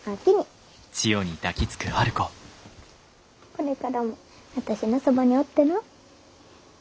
これからも私のそばにおってな。